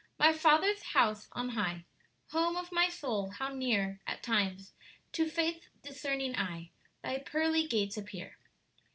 "My Father's house on high, Home of my soul, how near At times to Faith's discerning eye Thy pearly gates appear."